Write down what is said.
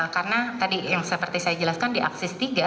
karena tadi yang seperti saya jelaskan di akses tiga